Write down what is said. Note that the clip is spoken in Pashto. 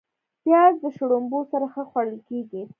پیاز د شړومبو سره ښه خوړل کېږي